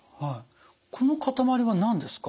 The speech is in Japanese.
この塊は何ですか？